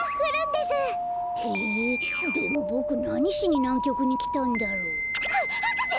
へえでもボクなにしになんきょくにきたんだろう？ははかせ！